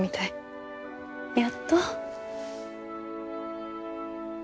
やっと。